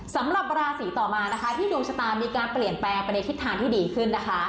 สำหรับราศีต่อมานะคะที่ดวงชะตามีการเปลี่ยนแปลงไปในทิศทางที่ดีขึ้นนะคะ